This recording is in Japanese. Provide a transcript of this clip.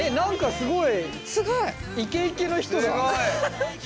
すごい。